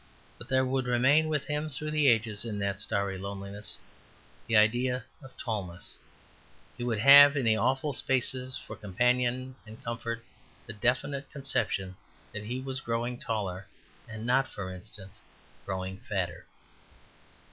But there would remain with him through the ages in that starry loneliness the idea of tallness; he would have in the awful spaces for companion and comfort the definite conception that he was growing taller and not (for instance) growing fatter.